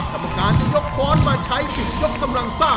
กรรมการจะยกค้อนมาใช้สิทธิ์ยกกำลังซ่า